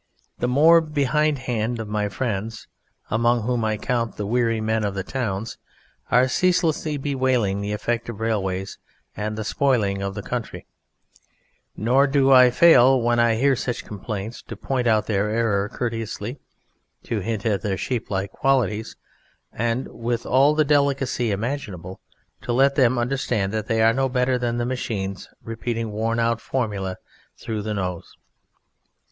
The more behindhand of my friends, among whom I count the weary men of the towns, are ceaselessly bewailing the effect of railways and the spoiling of the country; nor do I fail, when I hear such complaints, to point out their error, courteously to hint at their sheep like qualities, and with all the delicacy imaginable to let them understand they are no better than machines repeating worn out formulae through the nose.